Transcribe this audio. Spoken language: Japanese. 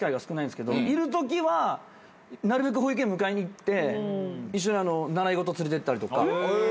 いるときはなるべく保育園迎えに行って一緒に習い事連れてったりとか。